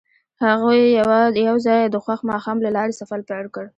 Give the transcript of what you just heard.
هغوی یوځای د خوښ ماښام له لارې سفر پیل کړ.